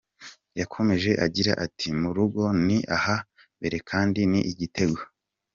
Yakomeje agira ati “ ‘Mu rugo ni aha mbere’ kandi ni itegeko”.